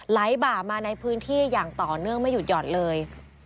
บ่ามาในพื้นที่อย่างต่อเนื่องไม่หยุดหยอดเลย